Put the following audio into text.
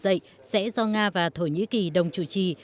nổi dậy sẽ do nga và thổ nhĩ kỳ đồng chủ trì